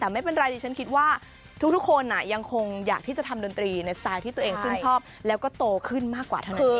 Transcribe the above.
แต่ไม่เป็นไรดิฉันคิดว่าทุกคนยังคงอยากที่จะทำดนตรีในสไตล์ที่ตัวเองชื่นชอบแล้วก็โตขึ้นมากกว่าเท่านั้น